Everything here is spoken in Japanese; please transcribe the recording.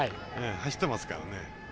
走ってますからね。